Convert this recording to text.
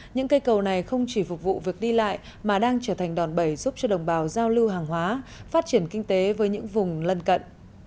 những cây cầu này không chỉ phục vụ việc đi lại mà đang trở thành đòn bẩy giúp cho đồng bào giao lưu hàng hóa phát triển kinh tế với những vùng lân cận